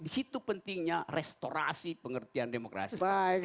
di situ pentingnya restorasi pengertian demokrasi